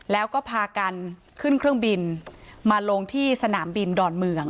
แล้วก็พากันขึ้นเครื่องบินมาลงที่สนามบินดอนเมือง